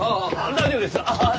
大丈夫ですか？